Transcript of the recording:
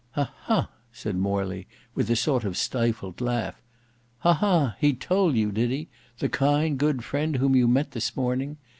"Hah, hah!" said Morley with a sort of stifled laugh; "Hah, hah; he told you did he; the kind good friend whom you met this morning?